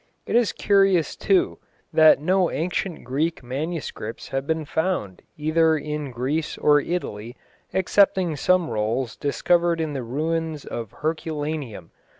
It is curious, too, that no ancient Greek manuscripts have been found either in Greece or Italy excepting some rolls discovered in the ruins of Herculaneum.